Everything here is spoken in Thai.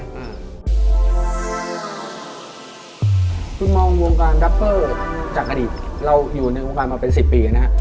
คุณมองวงการดับเบอร์จากกระดิษฐ์เราอยู่ในวงการมาเป็นสิบปีแล้วนะฮะ